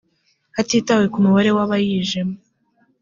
hatitawe ku mubare w abayijemo